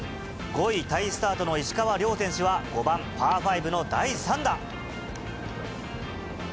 ５位タイスタートの石川遼選手は、５番パー５の第３打。